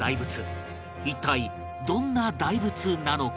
一体どんな大仏なのか？